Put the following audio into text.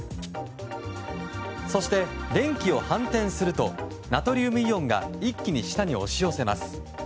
そして、電気を反転するとナトリウムイオンが一気に舌に押し寄せます。